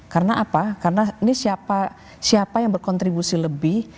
karena apa karena ini siapa yang berkontribusi lebih